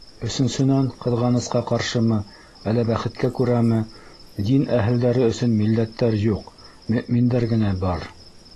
Өсөнсөнән, ҡыҙғанысҡа ҡаршымы, әллә бәхеткә күрәме, дин әһелдәре өсөн милләттәр юҡ, мөьминдәр генә бар.